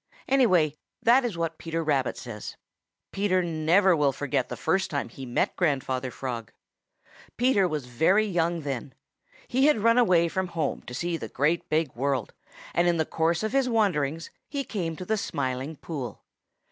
Anyway, that is what Peter Rabbit says. Peter never will forget the first time he saw Grandfather Frog. Peter was very young then. He had run away from home to see the Great World, and in the course of his wanderings he came to the Smiling Pool.